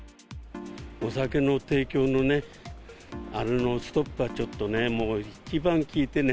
お酒の提供のね、ストップはちょっとね、もう一番効いてね。